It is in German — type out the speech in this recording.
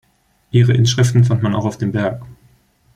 Ihre Inschriften fand man auch auf dem Berg.